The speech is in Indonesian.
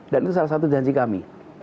dan itu salah satu janji kami